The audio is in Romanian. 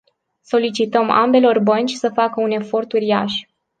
Solicităm ambelor bănci să facă un efort uriaș.